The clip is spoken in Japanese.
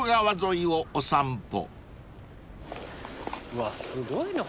うわすごいな。